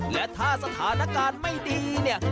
และถ้าสถานการณ์ไม่ดี